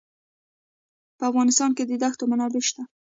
په افغانستان کې د دښتو منابع شته.